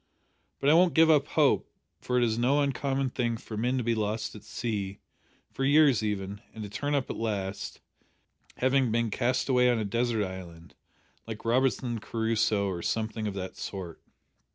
But I won't give up hope, for it is no uncommon thing for men to be lost at sea, for years even, and to turn up at last, having been cast away on a desert island, like Robinson Crusoe, or something of that sort."